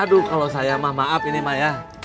aduh kalau saya mah maaf ini mak ya